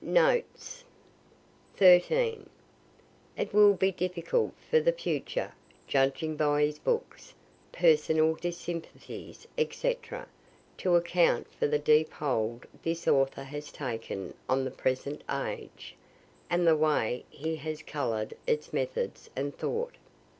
Notes: It will be difficult for the future judging by his books, personal dissympathies, &c., to account for the deep hold this author has taken on the present age, and the way he has color'd its method and thought.